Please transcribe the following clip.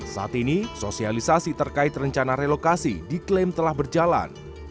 saat ini sosialisasi terkait rencana relokasi diklaim telah berjalan